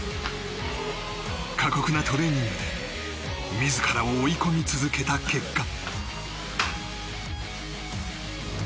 過酷なトレーニングで自らを追い込み続けた結果。